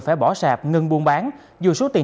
phải bỏ sạp ngừng buôn bán dù số tiền